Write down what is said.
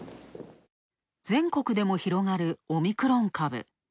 全国でも広がるオミクロン株。